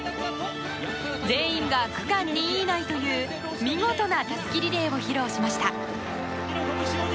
全員が区間２位以内という見事なたすきリレーを披露しました。